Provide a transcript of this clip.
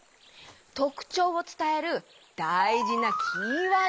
とくちょうをつたえるだいじなキーワードがあるよ。